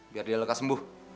biar dia lekas sembuh